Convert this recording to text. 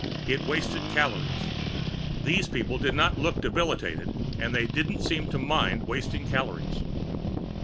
It wasted calories. These people did not look debilitated and they didn't seem to mind wasting calories.